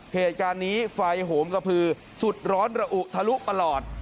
เหตุการณ์นี้ไฟโหมกระพือสุดร้อนระอุทะลุตลอด